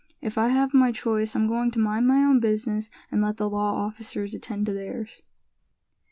If I have my choice I'm going to mind my own business, and let the law officers attend to theirs."